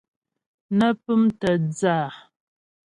Nə́ pʉ́mtə̀ dhə́ a.